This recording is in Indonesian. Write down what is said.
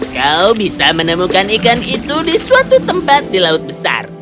kau bisa menemukan ikan itu di suatu tempat di laut besar